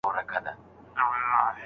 شاګرد د خپلي څېړني موضوع پخپله ټاکي.